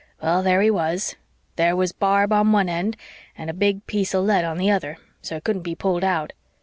Well, there he was; there was barb on one end and a big piece of lead on the other, so it couldn't be pulled out.